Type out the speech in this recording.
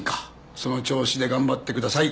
その調子で頑張ってください